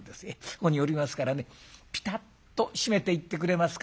ここにおりますからねピタッと閉めていってくれますか。